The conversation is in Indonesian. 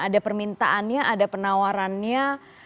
ada permintaannya ada penawarannya